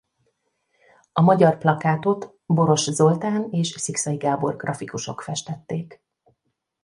A magyar plakátot Boros Zoltán és Szikszai Gábor grafikusok festették.